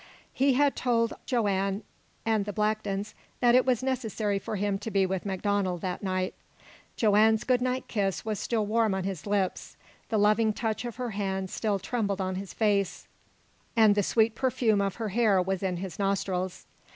He had told Joanne and the Blacktons that it was necessary for him to be with MacDonald that night. Joanne's good night kiss was still warm on his lips, the loving touch of her hands still trembled on his face, and the sweet perfume of her hair was in his nostrils.